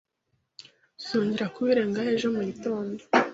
Tuzongera kubirengaho ejo mugitondo.